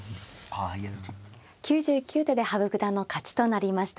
９９手で羽生九段の勝ちとなりました。